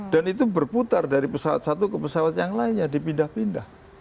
dan itu berputar dari pesawat satu ke pesawat yang lainnya dipindah pindah